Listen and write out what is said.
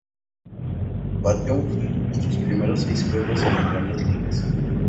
Bateó un hit en sus primeros seis juegos en las Grandes Ligas.